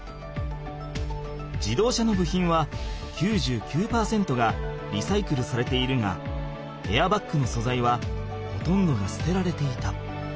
自動車の部品は９９％がリサイクルされているがエアバッグのそざいはほとんどが捨てられていた。